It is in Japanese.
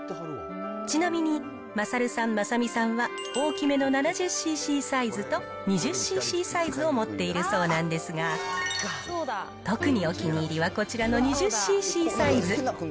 ちなみに、まさるさん、まさみさんは大きめの７０ｃｃサイズと、２０ｃｃサイズを持っているそうなんですが、特にお気に入りはこちらの２０ｃｃサイズ。